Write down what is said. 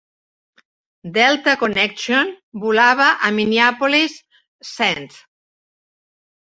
Delta Connection volava a Minneapolis-St.